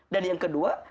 dan yang kedua